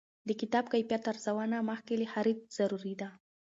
د کتاب کیفیت ارزونه مخکې له خرید ضروري ده.